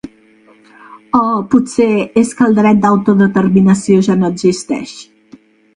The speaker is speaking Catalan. O potser és que el dret d’autodeterminació ja no existeix?